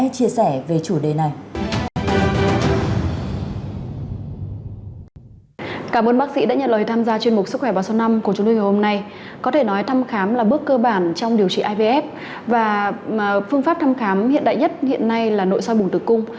có thể nói thăm khám là bước cơ bản trong điều trị ivf và phương pháp thăm khám hiện đại nhất hiện nay là nội soi bùn tử cung